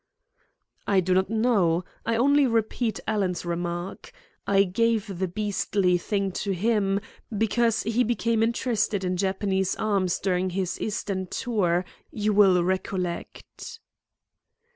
"I do not know. I only repeat Alan's remark. I gave the beastly thing to him because he became interested in Japanese arms during his Eastern tour, you will recollect."